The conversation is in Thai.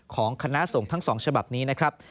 ของคณะสงฆ์ทั้ง๒ฉบับนี้นะครับ